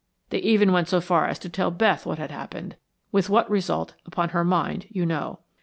They even went so far as to tell Beth what had happened, with what result upon her mind you know.